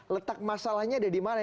letak masalahnya ada di mana